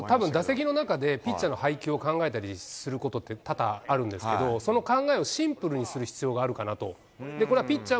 たぶん、打席の中でピッチャーの配球を考えたりすることって多々あるんですけど、その考えをシンプルにする必要があるかなと。